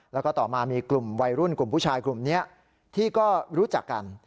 แล้วก็ต่อมามีกลุ่มวัยรุ่นกลุ่มผู้ชายกลุ่มนี้ที่ก็รู้จักกัน